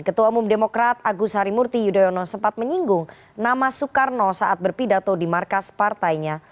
ketua umum demokrat agus harimurti yudhoyono sempat menyinggung nama soekarno saat berpidato di markas partainya